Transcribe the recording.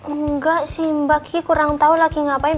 enggak sih mbak gigi kurang tau lagi ngapain